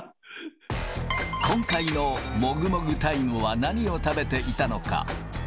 今回のもぐもぐタイムは何を食べていたのか。